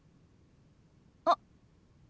あっ。